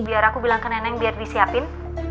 biar aku bilang ke nenek biar disiapin